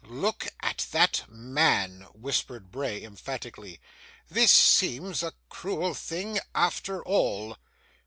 'Look at that man,' whispered Bray, emphatically. 'This seems a cruel thing, after all.